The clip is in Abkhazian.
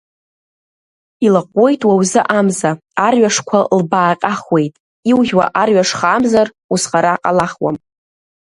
Илаҟәуеит уа узы амза, арҩашқәа лбааҟьахуеит, иужәуа арҩаш хаамзар, узхара ҟалахуам.